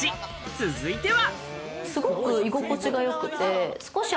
続いては。